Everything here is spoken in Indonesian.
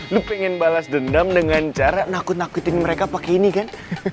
lu pengen balas dendam dengan cara nakut nakutin mereka pakai ini kan